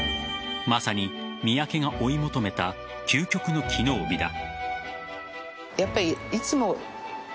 まさに三宅が追い求めた究極の機能美だ。